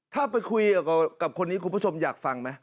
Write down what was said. ถ้าไปคุยกับคนนี้คุณผู้ชมอยากฟังไหม